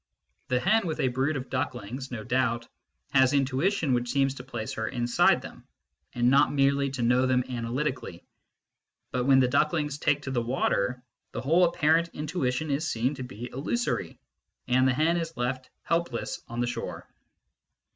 The hen with a brood of ducklings no doubt has intuition which seems to place her inside them, and not merely to know them analytically ; but when the ducklings take to the water, the whole apparent intuition is seen to be illusory, and the hen is left helpless on the shore.